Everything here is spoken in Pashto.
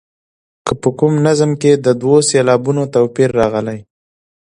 که په کوم نظم کې د دوو سېلابونو توپیر راغلی.